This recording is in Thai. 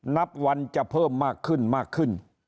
นับวันจะเพิ่มมากขึ้น